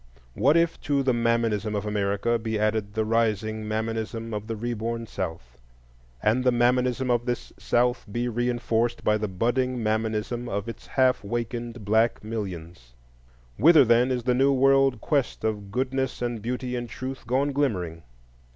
What if to the Mammonism of America be added the rising Mammonism of the re born South, and the Mammonism of this South be reinforced by the budding Mammonism of its half wakened black millions? Whither, then, is the new world quest of Goodness and Beauty and Truth gone glimmering?